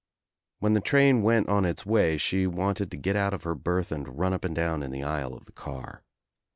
When the train went on Its way she wanted to get out of her berth and run up and down in the aisle of the car.